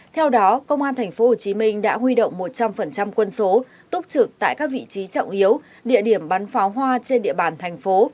theo đó công an tp hcm đã huy động một trăm linh quân số túc trực tại các vị trí trọng yếu địa điểm bắn pháo hoa trên địa bàn thành phố